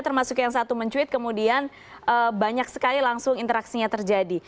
termasuk yang satu mencuit kemudian banyak sekali langsung interaksinya terjadi